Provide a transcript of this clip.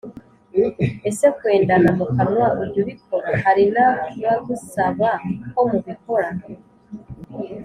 Ese kwendana mu kanwa ujya ubikora Hari n abagusaba ko mubikora